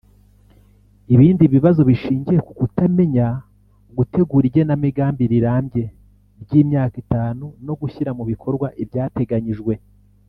Ibindi bibazo bishingiye ku kutamenya gutegura igenamigambi rirambye ry’imyaka itanu no gushyira mu bikorwa ibyateganyijwe